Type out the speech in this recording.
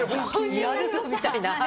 やるぞ！みたいな。